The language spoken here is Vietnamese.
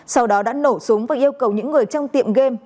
sau đó đã nổ súng và yêu cầu những người trong tiệm game